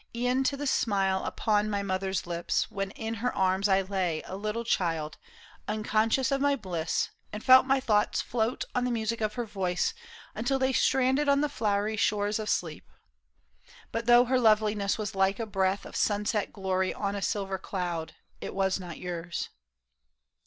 E'en to the smile upon my mother's lips. When in her arms I lay, a little child Unconscious of my bliss, and felt my thoughts Float on the music of her voice until They stranded on the flowery shores of sleep. But though her loveliness was like a breath. Of sunset glory on a silver cloud, It was not yours."